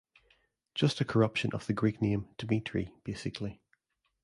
Just a corruption of the Greek name "Dimitri," basically.